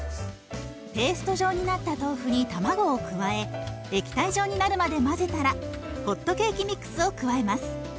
ペースト状になった豆腐に卵を加え液体状になるまで混ぜたらホットケーキミックスを加えます。